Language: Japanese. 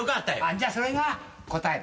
じゃあそれが答えだ。